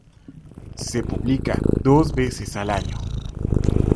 Se publica dos veces al año.